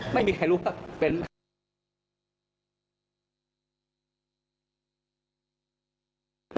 ไม่มีใครรู้ว่าเป็นไหม